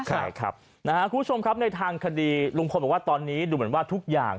ใช่ครับนะฮะคุณผู้ชมครับในทางคดีลุงพลบอกว่าตอนนี้ดูเหมือนว่าทุกอย่าง